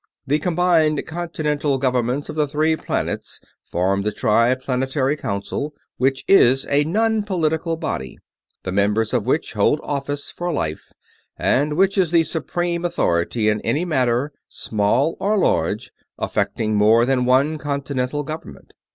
The combined Continental Governments of the Three Planets form the Triplanetary Council, which is a non political body, the members of which hold office for life and which is the supreme authority in any matter, small or large, affecting more than one Continental Government.